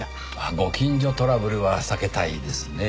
ご近所トラブルは避けたいですねぇ。